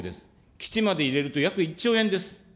基地まで入れると約１兆円です。